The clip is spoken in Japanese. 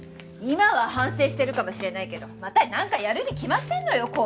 今は反省してるかもしれないけどまたなんかやるに決まってるのよ